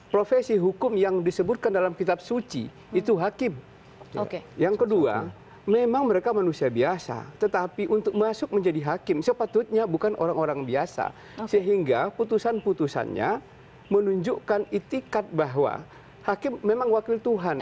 profesi hukum yang disebutkan dalam kitab suci itu hakim yang kedua memang mereka manusia biasa tetapi untuk masuk menjadi hakim sepatutnya bukan orang orang biasa sehingga putusan putusannya menunjukkan itikat bahwa hakim memang wakil tuhan